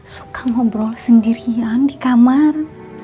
suka ngobrol sendirian di kamar